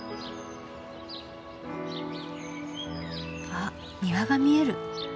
あ庭が見える。